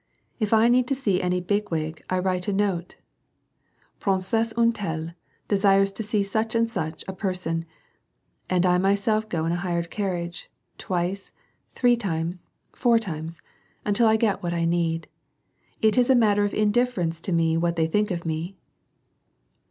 If I need to see any 'big wig*, I writo a note :* Princasse une telle desires to see such and such a person,' and I myself go in a hired carriage, twice, three times, four times, until I get what I need. It is a matter of in difference to me what they think of me."